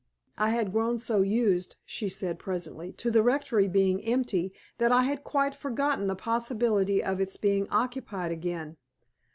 "I had grown so used," she said, presently, "to the rectory being empty, that I had quite forgotten the possibility of its being occupied again.